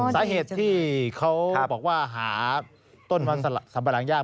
สาเหตุที่เขาบอกว่าหาต้นมันสำบราณยาก